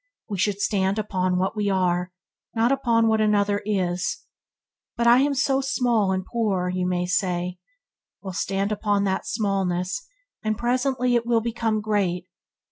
We should stand upon what we are, not upon what another is. "But I am so small and poor", you say: well, stand upon that smallness, and presently it will become great.